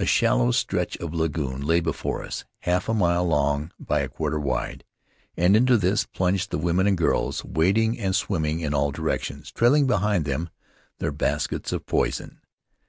A shallow stretch of lagoon lay before us, half a mile long by a quarter wide, and into this plunged the women and girls, wading and swimming in all directions, trailing behind them their baskets of poison.